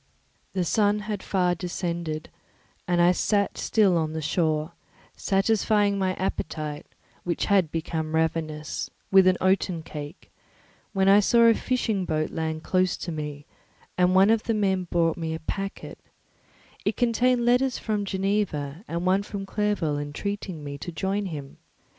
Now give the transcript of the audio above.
The sun had far descended, and I still sat on the shore, satisfying my appetite, which had become ravenous, with an oaten cake, when I saw a fishing boat land close to me, and one of the men brought me a packet; it contained letters from Geneva, and one from Clerval entreating me to join him.